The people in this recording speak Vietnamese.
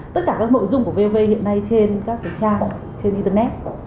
tất cả các nội dung của vv hiện nay trên các trang trên internet